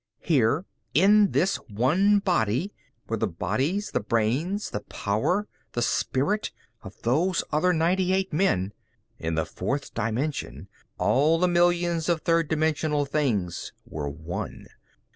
Here, in this one body were the bodies, the brains, the power, the spirit, of those other ninety eight men. In the fourth dimension, all the millions of third dimensional things were one.